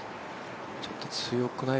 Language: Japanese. ちょっと強くない？